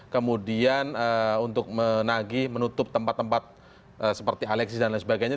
kemudian untuk menagi menutup tempat tempat seperti alexis dan lain sebagainya